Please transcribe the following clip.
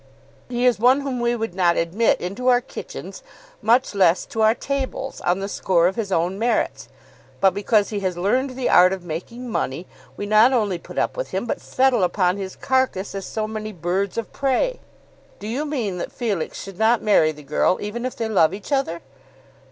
He is one whom we would not admit into our kitchens, much less to our tables, on the score of his own merits. But because he has learned the art of making money, we not only put up with him, but settle upon his carcase as so many birds of prey." "Do you mean that Felix should not marry the girl, even if they love each other?"